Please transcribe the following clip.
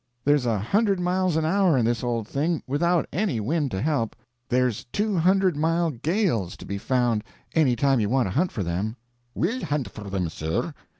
There's a hundred miles an hour in this old thing without any wind to help. There's two hundred mile gales to be found, any time you want to hunt for them." "We'll hunt for them, sir."